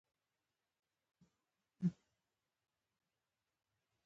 د ژامې لاندې يې کلکې غوټې له ورایه لیدل کېدلې